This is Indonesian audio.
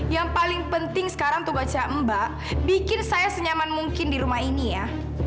yang paling penting sekarang untuk baca mbak bikin saya senyaman mungkin di rumah ini ya